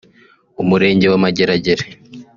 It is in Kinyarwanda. Umurenge wa Mageragere